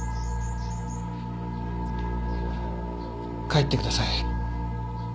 帰ってください。